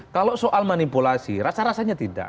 kalau soal manipulasi rasa rasanya tidak